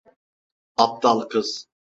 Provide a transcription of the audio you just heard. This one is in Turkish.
Aptal kız.